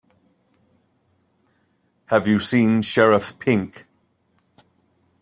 Have you seen Sheriff Pink?